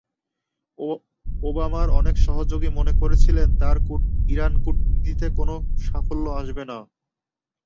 ওবামার অনেক সহযোগী মনে করেছিলেন, তাঁর ইরান কূটনীতিতে কোনো সাফল্য আসবে না।